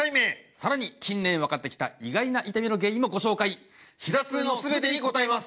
さらに近年分かってきた意外な痛みの原因もご紹介ひざ痛の全てに答えます！